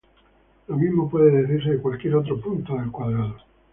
Lo mismo puede decirse de cualquier otro punto del cuadrado.